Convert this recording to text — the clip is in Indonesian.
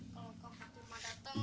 kalau kak fatima dateng